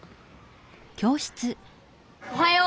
おはよう。